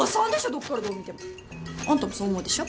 どっからどう見ても。あんたもそう思うでしょ？